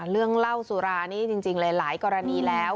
เรื่องเหล้าสุรานี่จริงหลายกรณีแล้ว